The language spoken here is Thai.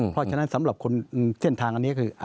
เพราะฉะนั้นสำหรับคนเส้นทางอันนี้คือ